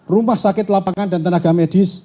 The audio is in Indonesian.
rumah sakit lapangan dan tenaga medis